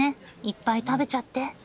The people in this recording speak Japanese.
いっぱい食べちゃって。